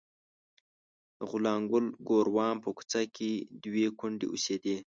د غلام ګل ګوروان په کوڅه کې دوې کونډې اوسېدې.